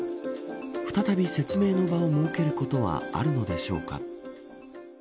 再び説明の場を設けることはあるのでしょうか。